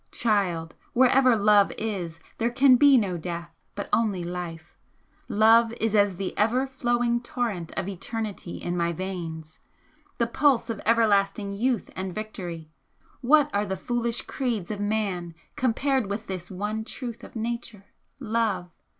Child, wherever love is there can be no death, but only life! Love is as the ever flowing torrent of eternity in my veins the pulse of everlasting youth and victory! What are the foolish creeds of man compared with this one Truth of Nature Love!